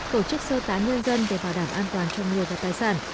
tổ chức sơ tá nguyên dân để bảo đảm an toàn cho người và tài sản